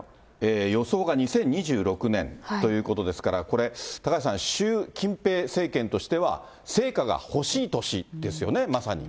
予想が２０２６年ということですから、これ、高橋さん、習近平政権としては、成果が欲しい年ですよね、まさに。